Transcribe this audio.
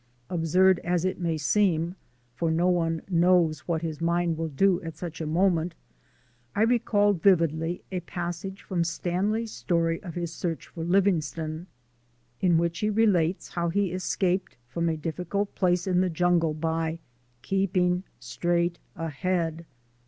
Absurd as it may seem, for no one knows what his mind will do at such a moment, I recalled vividly a passage from Stanley's story of his search for Livingstone, in which he relates how he escaped from a difficult place in the jungle by KEEPING STRAIGHT AHEAD.